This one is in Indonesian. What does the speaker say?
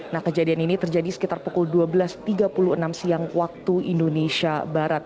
nah kejadian ini terjadi sekitar pukul dua belas tiga puluh enam siang waktu indonesia barat